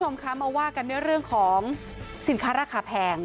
คุณผู้ชมคะมาว่ากันด้วยเรื่องของสินค้าราคาแพง